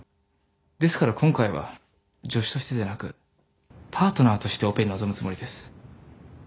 ですから今回は助手としてでなくパートナーとしてオペに臨むつもりです。